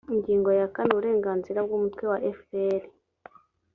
ingingo ya kane uburenganzira bw umutwe wa fpr